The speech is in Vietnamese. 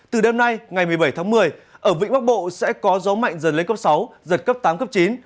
từ đêm nay ngày một mươi bảy tháng một mươi ở vĩnh bắc bộ sẽ có gió mạnh dần lên cấp sáu giật cấp tám cấp chín